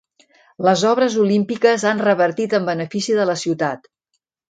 Les obres olímpiques han revertit en benefici de la ciutat.